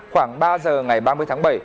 khoảng ba giờ ngày ba mươi tháng bảy